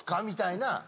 みたいな。